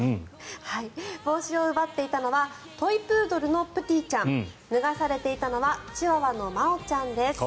帽子を奪っていたのはトイプードルのプティちゃん脱がされていたのはチワワのまおちゃんです。